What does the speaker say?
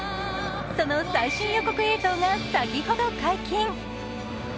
その最新予告映像が先ほど、解禁。